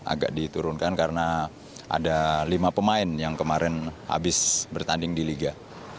agak diturunkan karena ada lima pemain yang kemarin habis bertanding di liga